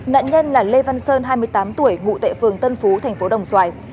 nạn nhân là lê văn sơn hai mươi tám tuổi ngụ tệ phường tân phú thành phố đồng xoài